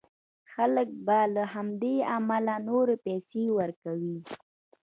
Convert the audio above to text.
خلک به له همدې امله نورې پيسې ورکوي.